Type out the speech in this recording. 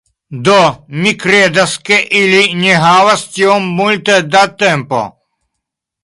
Do, mi kredas, ke ili ne havas tiom multe da tempo